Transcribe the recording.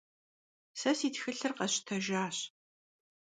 Se si txılhır khesştejjaş.